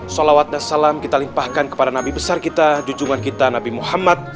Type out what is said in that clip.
salawat dan salam kita limpahkan kepada nabi besar kita jujungan kita nabi muhammad